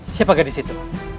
siapa gadis itu